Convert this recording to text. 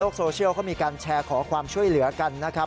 โซเชียลเขามีการแชร์ขอความช่วยเหลือกันนะครับ